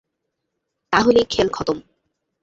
তাহলেই খেল খতম।